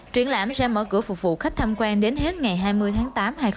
triển lãm sẽ mở cửa phục vụ khách tham quan đến hết ngày hai mươi tháng tám hai nghìn hai mươi